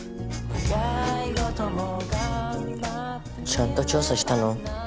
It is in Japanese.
ちゃんと調査したの？